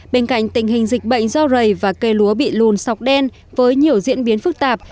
bên cạnh tình hình dịch bệnh do rầy và cây lúa bị lùn sọc đen với nhiều diễn biến phức tạp